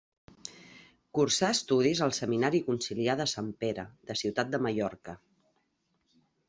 Cursà estudis al seminari conciliar de Sant Pere, de Ciutat de Mallorca.